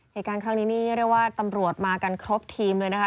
เหตุการณ์ครั้งนี้นี่เรียกว่าตำรวจมากันครบทีมเลยนะคะ